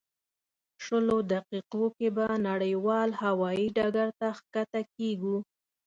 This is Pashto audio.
شلو دقیقو کې به نړیوال هوایي ډګر ته ښکته کېږو.